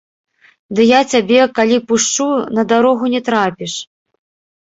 Ды я цябе калі пушчу, на дарогу не трапіш!